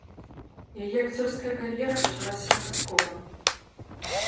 Яе акцёрская кар'ера пачалася выпадкова.